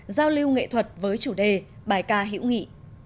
giao lưu nghệ thuật với chủ đề bài ca hiễu nghị